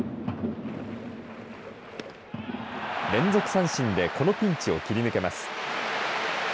連続三振でこのピンチを切り抜けます。